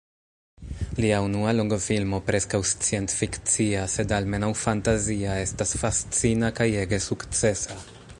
Lia unua longfilmo, preskaŭ scienc-fikcia sed almenaŭ fantazia, estas fascina kaj ege sukcesa.